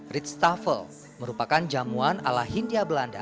ruang sukarno dikatakan sebagai ruang utama